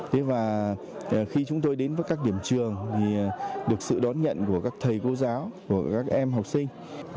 thế và khi chúng tôi đến với các điểm trường thì được sự đón nhận của các thầy cô giáo của các em học sinh